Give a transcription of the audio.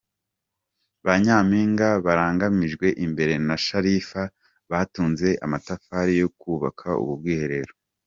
Ba Nyampinga barangajwe imbere na sharifa batunze amatafari yo kubaka ubu bwiherero.